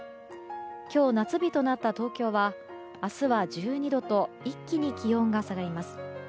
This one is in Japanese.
今日、夏日となった東京は明日は１２度と一気に気温が下がります。